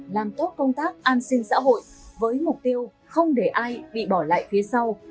làm tốt công tác an sinh xã hội với mục tiêu không để ai bị bỏ lại phía sau